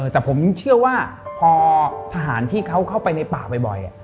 แต่ผมเชื่อว่าพอทหารที่เขาเข้าไปในป่าบ่อย